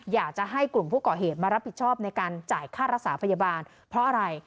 อยากจะให้กลุ่มผู้ก่อเหตุมารับผิดชอบในการจ่ายค่ารักษาพยาบาลเพราะอะไร